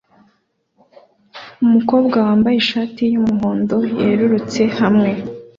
Umukobwa wambaye ishati yumuhondo yerurutse hamwe